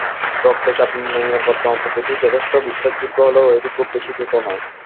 রক্তের চাপ নির্ণয়ের বর্তমান পদ্ধতিটি যথেষ্ট বিশ্বাসযোগ্য হলেও এটি খুব বেশি দ্রুত নয়।